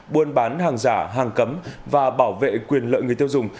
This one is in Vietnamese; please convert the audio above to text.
buôn bán hàng giả hàng cấm và bảo vệ quyền lợi người tiêu dùng